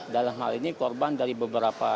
dalam hal ini korban dari beberapa